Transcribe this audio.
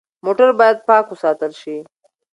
موټر باید پاک وساتل شي.